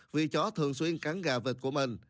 vì chó thường xuyên cắn gà vịt của mình